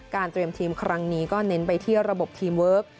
เตรียมทีมครั้งนี้ก็เน้นไปที่ระบบทีมเวิร์ค